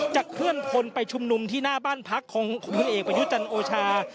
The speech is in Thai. เคลื่อนพลไปชุมนุมที่หน้าบ้านพักของพลเอกประยุจันทร์โอชา